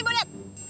coba ibu lihat